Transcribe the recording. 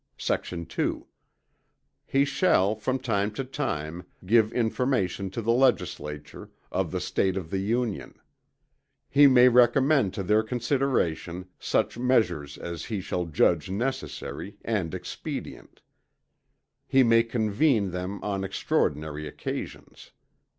Sect. 2. He shall, from time to time, give information to the Legislature, of the State of the Union: he may recommend to their consideration such measures as he shall judge necessary, and expedient: he may convene them on extraordinary occasions.